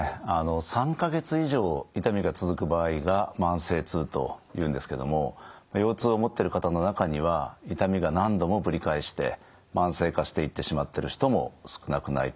３か月以上痛みが続く場合が慢性痛というんですけども腰痛を持ってる方の中には痛みが何度もぶり返して慢性化していってしまってる人も少なくないと思います。